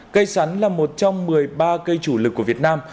cây sắn là một trong một mươi ba cây chủ lực của việt nam